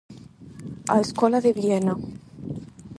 A escola de Viena.